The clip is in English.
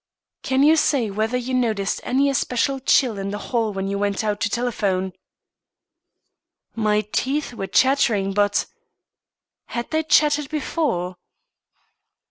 "Can you say whether you noticed any especial chill in the hall when you went out to telephone?" "My teeth were chattering but " "Had they chattered before?"